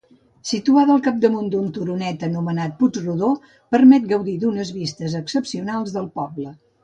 Situada al capdamunt d'un turonet, anomenat Puig Rodó, permet gaudir d'unes vistes excepcionals del poble.